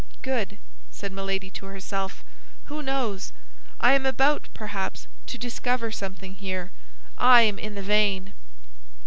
"Good!" said Milady to herself; "who knows! I am about, perhaps, to discover something here; I am in the vein."